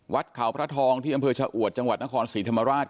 วัดเขาพระทองที่อำเภอชะอวดจังหวัดนครศรีธรรมราช